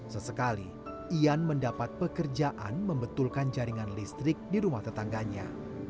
sesekali ian mendapat pekerjaan membetulkan jaringan listrik di rumah tetangganya